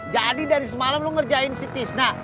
jadi dari semalam lo ngerjain si tisna